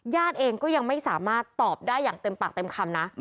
เองก็ยังไม่สามารถตอบได้อย่างเต็มปากเต็มคำนะ